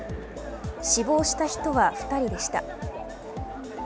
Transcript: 死亡した人は２人でした。